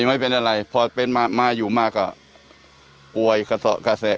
ไม่เป็นอะไรพอเป็นมามาอยู่มาก็ป่วยกระสอบกระแส